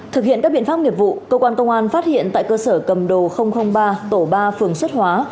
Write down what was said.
thực hiện các biện pháp nghiệp vụ cơ quan công an phát hiện tại cơ sở cầm đồ ba tổ ba phường xuất hóa